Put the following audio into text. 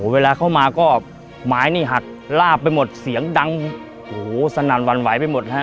เวลาเข้ามาก็ไม้หักลาบไปหมดเสียงดังสนั่นวันไหวไปหมด